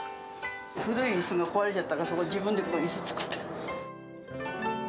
古いいすが壊れちゃったから、そこ、自分でいす作ったの。